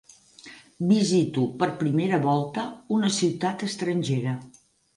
Visito per primera volta una ciutat estrangera